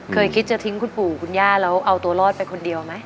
เคยคิดจะทิ้งคุณปู่คุณย่าแล้วเอาตัวรอดไปคนเดียวไหม